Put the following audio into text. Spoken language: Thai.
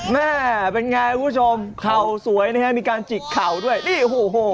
แม่เป็นไงคุณผู้ชมเข่าสวยนะฮะมีการจิกเข่าด้วยนี่โอ้โห